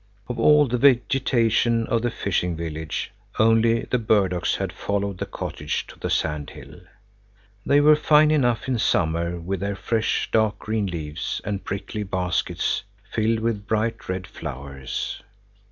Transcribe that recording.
Of all the vegetation of the fishing village, only the burdocks had followed the cottage to the sand hill. They were fine enough in summer with their fresh, dark green leaves and prickly baskets filled with bright, red flowers.